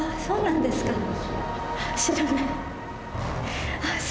そうなんですか。